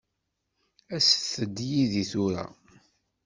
Aset-d yid-i tura.